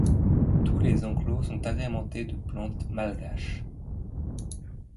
Tous les enclos sont agrémentés de plantes malgaches.